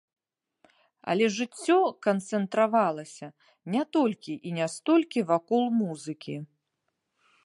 Але жыццё канцэнтравалася не толькі і не столькі вакол музыкі.